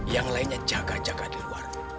yang lainnya jaga jaga di luar